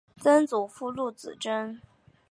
曾祖父陆子真。